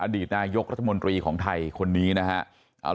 อดีตนายกรัฐมนตรีของไทยคนนี้นะครับ